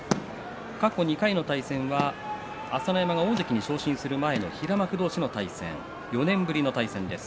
過去２回の対戦は朝乃山が大関に昇進する前の平幕同士の対戦４年ぶりの対戦です。